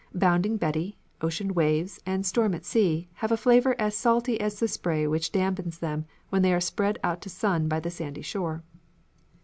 "Bounding Betty," "Ocean Waves," and "Storm at Sea" have a flavour as salty as the spray which dampens them when they are spread out to sun by the sandy shore.